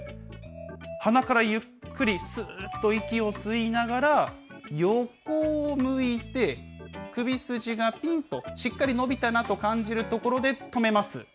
鼻からゆっくりすーっと息を吸いながら、横を向いて、首筋がぴんと、しっかり伸びたなと感じるところで止めます。